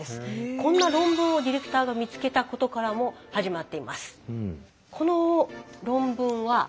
こんな論文をディレクターが見つけたことからも始まっています。